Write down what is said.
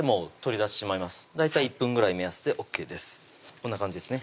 こんな感じですね